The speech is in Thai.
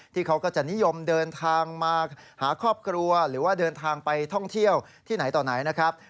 เขาก็จะนิยมเดินทางมาหาครอบครัวหรือว่าเดินทางไปท่องเที่ยวที่ไหนต่อไหนนะครับ